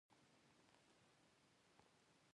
د چاه اب د سرو زرو کان څومره دی؟